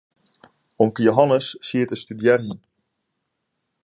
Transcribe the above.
Omke Jehannes siet te studearjen.